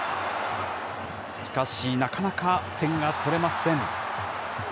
しかし、なかなか点が取れません。